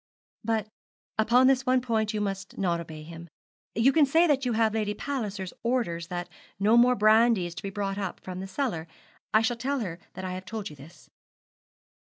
'But upon this one point you must not obey him. You can say that you have Lady Palliser's orders that no more brandy is to be brought up from the cellar. I shall tell her that I have told you this.'